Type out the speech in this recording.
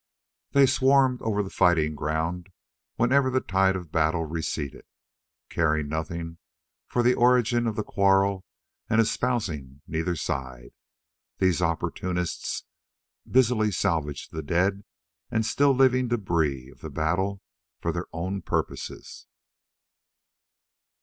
They swarmed over the fighting ground whenever the tide of battle receded. Caring nothing for the origin of the quarrel and espousing neither side, these opportunists busily salvaged the dead and still living debris of the battle for their own purposes.